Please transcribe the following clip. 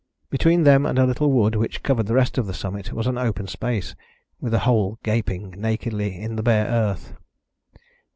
Between them and a little wood which covered the rest of the summit was an open space, with a hole gaping nakedly in the bare earth.